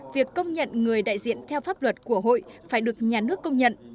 việc công nhận người đại diện theo pháp luật của hội phải được nhà nước công nhận